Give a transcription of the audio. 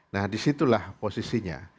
nah disitulah posisinya